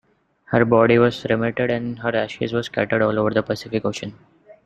Her body was cremated and her ashes were scattered over the Pacific Ocean.